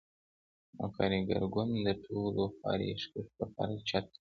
نوی کارګر ګوند د ټولو خواریکښو لپاره چتر وي.